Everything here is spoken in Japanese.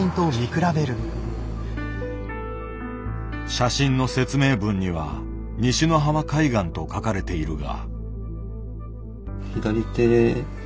写真の説明文には「西之浜海岸」と書かれているが。